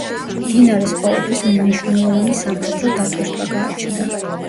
მდინარეს ყოველთვის მნიშვნელოვანი სამხედრო დატვირთვა გააჩნდა.